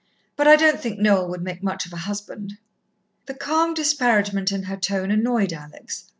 But I don't think Noel would make much of a husband." The calm disparagement in her tone annoyed Alex.